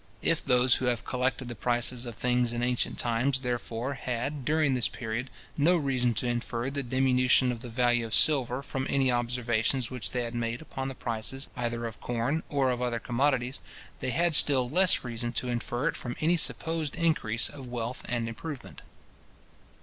If those who have collected the prices of things in ancient times, therefore, had, during this period, no reason to infer the diminution of the value of silver from any observations which they had made upon the prices either of corn, or of other commodities, they had still less reason to infer it from any supposed increase of wealth and improvement.